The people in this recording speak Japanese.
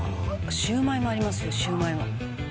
「シュウマイもありますよシュウマイも」